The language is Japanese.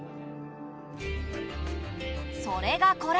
それがこれ。